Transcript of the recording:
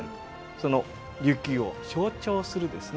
その琉球を象徴するですね